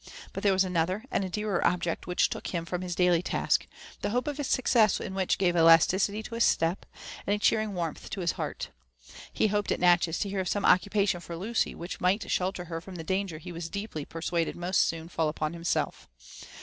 But there was another and at dearer object which took him from his daily task, the hope of success in which gave elasticity to his step and a cheering warmth to his heart. He hoped at Natchez to hear of some occupation for Lucy which might shelter her from the danger he was deeply persuaded must soon fall upon himself.